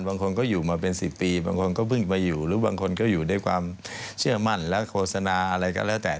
บางคนก็อยู่มาเป็น๑๐ปีบางคนก็เพิ่งไปอยู่หรือบางคนก็อยู่ด้วยความเชื่อมั่นและโฆษณาอะไรก็แล้วแต่